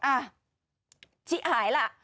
อะชิอ่ายล่ะ